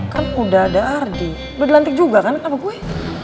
kan udah ada ardi udah dilantik juga kan apa gue